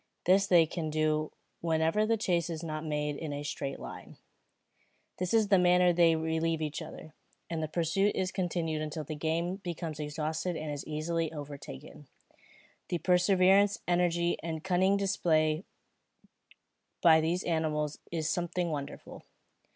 This they can do whenever the chase is not made in a straight line. In this manner they relieve each other, and the pursuit is continued until the game becomes exhausted and is easily overtaken. The perseverance, energy, and cunning displayed by these animals is something wonderful.